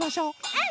うん！